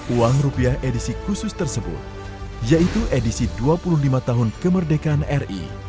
uang rupiah edisi khusus tersebut yaitu edisi dua puluh lima tahun kemerdekaan ri